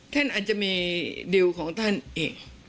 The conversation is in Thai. แท่นอาจจะมีดิวของท่านเอง